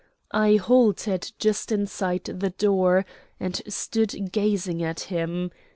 I halted just inside the door, and stood gazing at him.